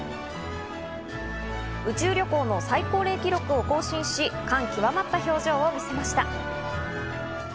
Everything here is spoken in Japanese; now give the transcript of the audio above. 宇宙旅行の最高齢記録を更新し、感極まった表情を見せました。